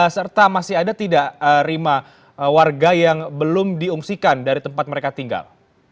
serta masih ada tidak rima warga yang belum diungsikan dari tempat mereka tinggal